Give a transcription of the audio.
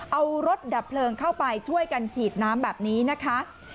เอารถดับเพลิงเข้าไปช่วยกันฉีดน้ำแบบนี้นะคะ